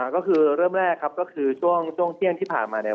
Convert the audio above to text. ก็คือเริ่มแรกครับก็คือช่วงเที่ยงที่ผ่านมาเนี่ย